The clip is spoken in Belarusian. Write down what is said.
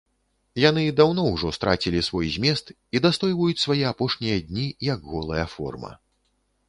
Яны даўно ўжо страцілі свой змест і дастойваюць свае апошнія дні як голая форма.